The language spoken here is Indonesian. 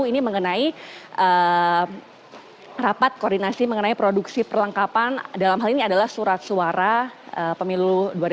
ini mengenai rapat koordinasi mengenai produksi perlengkapan dalam hal ini adalah surat suara pemilu dua ribu sembilan belas